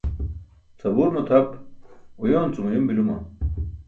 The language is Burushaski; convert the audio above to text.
Sabuur mo tʰap uyoon cum uyum biluma?